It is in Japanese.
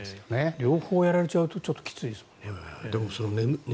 両方やられちゃうとちょっときついですもんね。